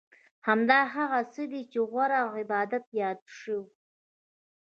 همدا هغه څه دي چې غوره عبادت یاد شوی.